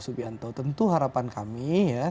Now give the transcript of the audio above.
subianto tentu harapan kami